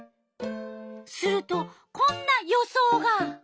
するとこんな予想が。